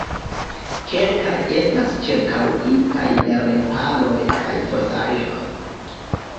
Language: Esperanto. Kelkaj estas ĉirkaŭitaj de remparoj kaj fosaĵoj.